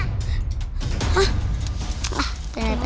kak aku mau cek dulu ke sana